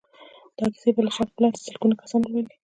دا کيسې به له شک پرته سلګونه کسان ولولي.